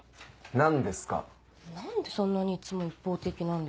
何でそんなにいつも一方的なんですか。